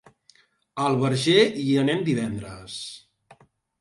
A el Verger hi anem divendres.